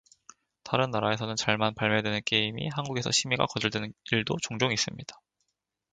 다른 나라에서는 잘만 발매되는 게임이 한국에서 심의가 거절되는 일도 종종 있습니다.